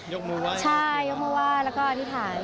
ยกมือว่าใช่ยกมือว่าแล้วก็อธิษฐาน